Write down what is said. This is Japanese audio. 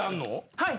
はい。